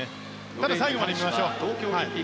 ただ、最後まで見ましょう。